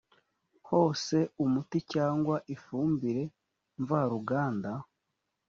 hose umuti cyangwa ifumbire mvaruganda